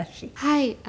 はい。